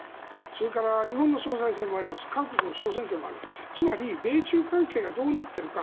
それから日本の総裁選もある韓国の総選挙もあるつまり米中関係がどうなっているか